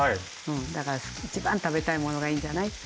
だから一番食べたいものがいいんじゃないって。